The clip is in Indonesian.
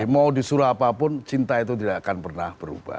mau disuruh apapun cinta itu tidak akan pernah berubah